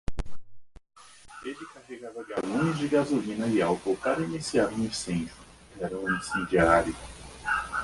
Ele carregava galões de gasolina e álcool para iniciar um incêndio, era um incendiário